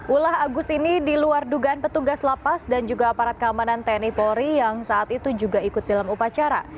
ulah agus ini diluar dugaan petugas lapas dan juga aparat keamanan tni polri yang saat itu juga ikut dalam upacara